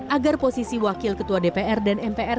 agar posisi wakil ketua dpr dan mpr